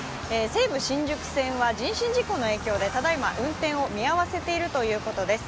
西武新宿線は人身事故の影響でただいま運転を見合わせているということです。